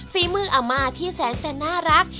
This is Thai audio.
ฝีมืออาม่าที่แสนจะน่ารัก